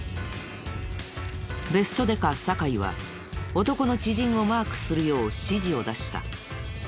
ベストデカ酒井は男の知人をマークするよう指示を出した。